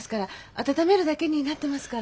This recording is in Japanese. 温めるだけになってますから。